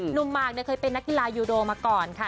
หมากเคยเป็นนักกีฬายูโดมาก่อนค่ะ